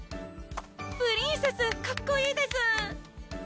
プリンセスかっこいいです！